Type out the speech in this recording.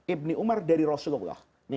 ibni umar dari rasulullah